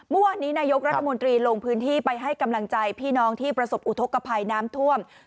เมื่อวานนี้นายกรัฐมนตรีลงพื้นที่ไปให้กำลังใจพี่น้องที่ประสบอุทธกภัยน้ำท่วม